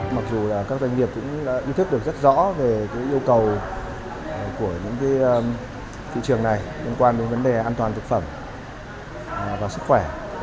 mặc dù các doanh nghiệp cũng ý thức được rất rõ về yêu cầu của những thị trường này liên quan đến vấn đề an toàn thực phẩm và sức khỏe